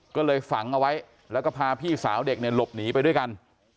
ก็เลยฝังเอาไว้แล้วก็พาพี่สาวเด็กเนี่ยหลบหนีไปด้วยกัน